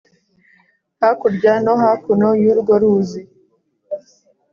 Hakurya no hakuno y’urwo ruzi,